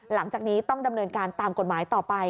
หลังจากนี้ต้องดำเนินการตามกฎหมายต่อไป